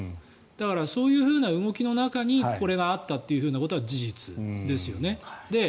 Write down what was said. だから、そういう動きの中にこれがあったということは事実ですよね。